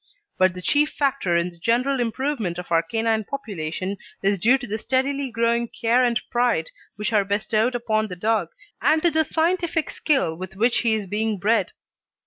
But the chief factor in the general improvement of our canine population is due to the steadily growing care and pride which are bestowed upon the dog, and to the scientific skill with which he is being bred.